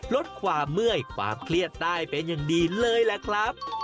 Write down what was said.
ลดความเมื่อยความเครียดได้เป็นอย่างดีเลยล่ะครับ